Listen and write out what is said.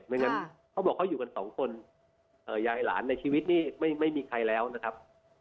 ไม่งั้นเขาบอกเขาอยู่กันสองคนยายหลานในชีวิตนี้ไม่มีใครแล้วนะครับ